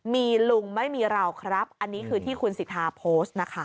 มีลุงไม่มีเราครับอันนี้คือที่คุณสิทธาโพสต์นะคะ